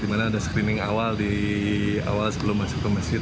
dimana ada screening awal sebelum masuk ke masjid